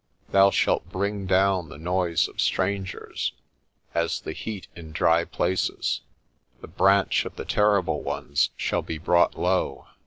Thou shalt bring down the noise of strangers^ as the CC' 140 PRESTER JOHN heat in dry places; the branch of the Terrible Ones shall be brought low.